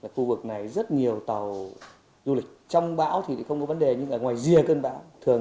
tuy nhiên bão yếu đi thành áp thấp vẫn tiếp tục gây mưa lớn